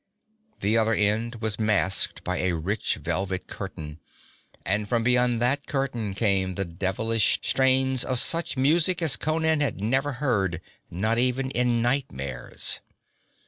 The other end was masked by a rich velvet curtain, and from beyond that curtain came the devilish strains of such music as Conan had never heard, not even in nightmares.